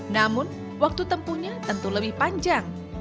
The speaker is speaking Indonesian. namun waktu tempuhnya tentu lebih panjang